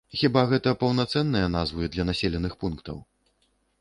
Хіба гэта паўнацэнныя назвы для населеных пунктаў?